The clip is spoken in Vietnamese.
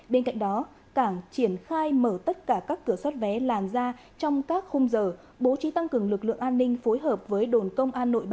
bên cạnh đó cảng triển khai mở tất cả các cửa soát vận chuyển